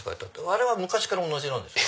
あれは昔から同じなんですか？